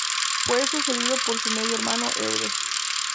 Fue sucedido por su medio hermano Eudes.